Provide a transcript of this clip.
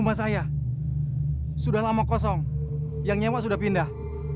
masah rumah itu milik bapak